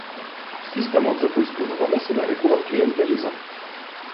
Системот за кој зборуваме се нарекува клиентелизам.